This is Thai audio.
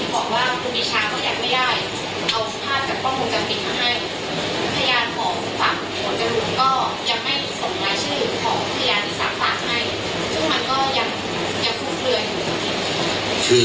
ของพยานที่สั่งฝากให้ซึ่งมันก็ยังคลุกเรื่อย